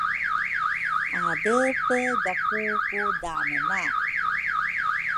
adeethe gaku ku daane nay